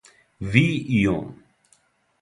Ви и он.